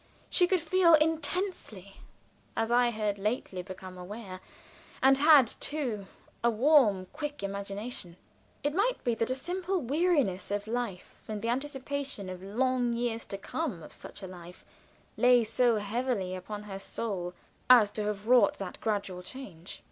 She could feel intensely, as I had lately become aware, and had, too, a warm, quick imagination. It might be that a simple weariness of life and the anticipation of long years to come of such a life lay so heavily upon her soul as to have wrought that gradual change.